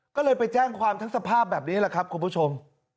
ก็เลยไปแจ้งความทั้งสภาพแบบนี้แหละครับคุณผู้ชม